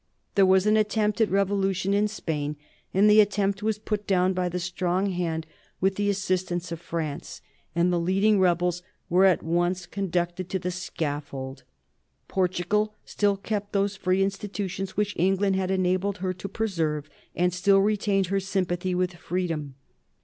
There was an attempt at revolution in Spain, and the attempt was put down by the strong hand with the assistance of France, and the leading rebels were at once conducted to the scaffold. Portugal still kept those free institutions which England had enabled her to preserve, and still retained her sympathy with freedom.